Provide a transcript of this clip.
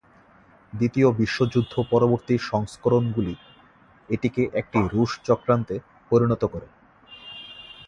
দ্বিতীয় বিশ্বযুদ্ধ পরবর্তী সংস্করণগুলি এটিকে একটি রুশ চক্রান্তে পরিণত করে।